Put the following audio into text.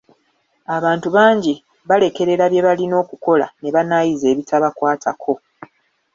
Abantu bangi balekerera bye balina okukola ne banaayiza ebitabakwatako.